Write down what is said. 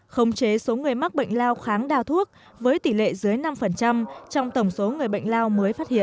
khống chế số người mắc bệnh lao kháng đa thuốc với tỷ lệ dưới năm trong tổng số người bệnh lao mới phát hiện